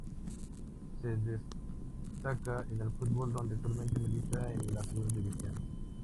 Se destaca en el fútbol, donde actualmente milita en la Segunda División.